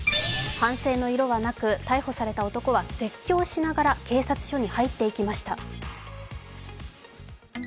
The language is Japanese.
反省の色はなく逮捕された男は絶叫しながら警察署に入っていきました。